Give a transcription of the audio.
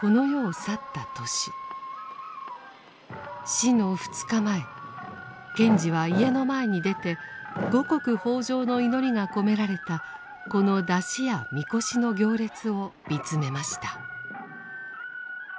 死の２日前賢治は家の前に出て五穀豊穣の祈りが込められたこの山車や神輿の行列を見つめました。